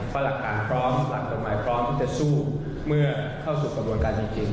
เพราะหลักฐานพร้อมหลักกฎหมายพร้อมจะสู้เมื่อเข้าสู่กระบวนการจริง